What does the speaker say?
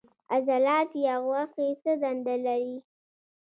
عضلات یا غوښې څه دنده لري